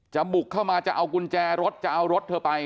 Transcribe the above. บุกเข้ามาจะเอากุญแจรถจะเอารถเธอไป